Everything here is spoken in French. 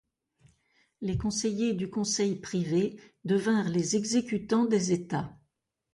Les conseillers du conseil privé devinrent les exécutants des États.